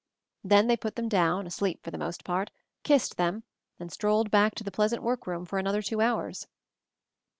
Then they put them down, asleep For the most part, kissed them, and strolled back to the pleasant workroom for another two hours.